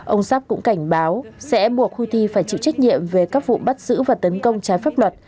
ông sharp cũng cảnh báo sẽ buộc houthi phải chịu trách nhiệm về các vụ bắt giữ và tấn công trái pháp luật